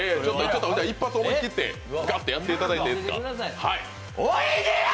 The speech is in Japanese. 一発思い切ってガッとやっていただいていいですか？